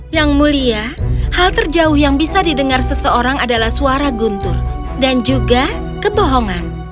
yang mulia hal terjauh yang bisa didengar seseorang adalah suara guntur dan juga kebohongan